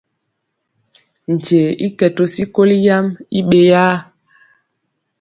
Nkye i kɛ to sikoli yam i ɓeyaa.